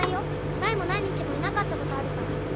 前も何日もいなかったことあるから。